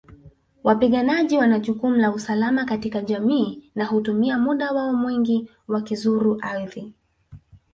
Wapiganaji wana jukumu la usalama katika jamii na hutumia muda wao mwingi wakizuru ardhi